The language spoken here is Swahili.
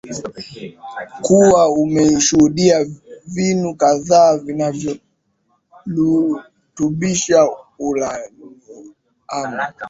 kuwa ameshuhudia vinu kadhaa vinavyorutubisha uranium